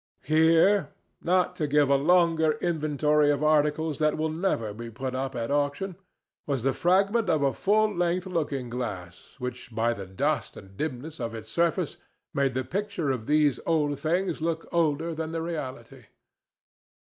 Here—not to give a longer inventory of articles that will never be put up at auction—was the fragment of a full length looking glass which by the dust and dimness of its surface made the picture of these old things look older than the reality.